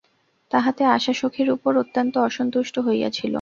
তাহাতে আশা সখীর উপর অত্যন্ত অসন্তুষ্ট হইয়াছিল।